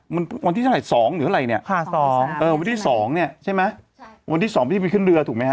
มันวันที่เท่าไหร่๒หรืออะไรเนี่ยวันที่๒เนี่ยใช่ไหมวันที่๒พี่ไปขึ้นเรือถูกไหมฮ